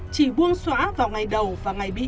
chỉ buông xóa vào ngày đầu và ngày bị